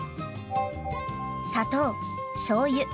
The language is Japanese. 砂糖しょうゆごま